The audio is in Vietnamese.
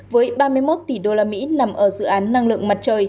với ba mươi một tỷ usd nằm ở dự án năng lượng mặt trời